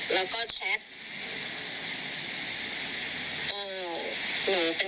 แล้วก็ด้วยอารมณ์ที่ไม่ปกติของตัวเองด้วย